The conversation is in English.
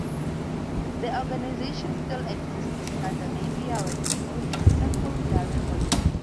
The organization still exists in Scandinavia, where it is known as Tempel Riddare Orden.